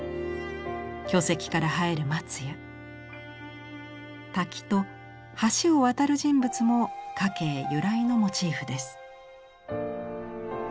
巨石から生える松や滝と橋を渡る人物も夏珪由来のモチーフです。